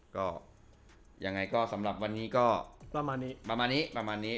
ก็ยังไงก็สำหรับวันนี้ก็ประมาณนี้